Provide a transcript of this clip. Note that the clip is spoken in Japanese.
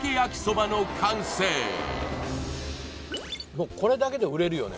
もうこれだけで売れるよね